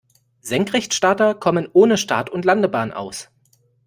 Senkrechtstarter kommen ohne Start- und Landebahn aus.